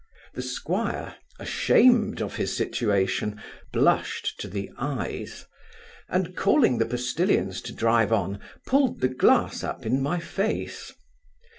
The squire, ashamed of his situation, blushed to the eyes: and, calling to the postilions to drive on, pulled the glass up in my face.